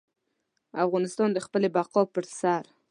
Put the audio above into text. افغانستان د خپلې بقا پر سر.